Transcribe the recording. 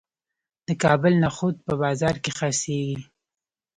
د کابل نخود په بازار کې خرڅیږي.